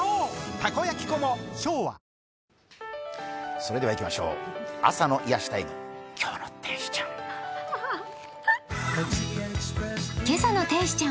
それではいきましょう、朝の癒やしタイム、「今日の天使ちゃん」